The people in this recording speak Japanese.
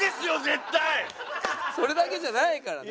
それだけじゃないからね。